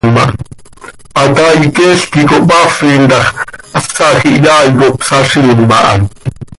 Hataai cheel quih cohpaafin ta x, hasaj ihyaai cop saziim aha.